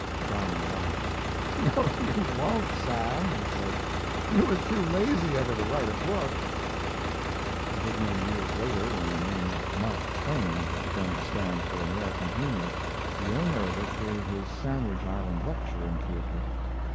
Brownell laughed. "No, you won't, Sam," he said. "You are too lazy ever to write a book." A good many years later when the name "Mark Twain" had begun to stand for American humor the owner of it gave his "Sandwich Island" lecture in Keokuk.